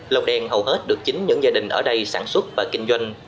lồng đèn hầu hết được chính những gia đình ở đây sản xuất và kinh doanh